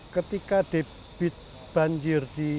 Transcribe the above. ketika debit banjir di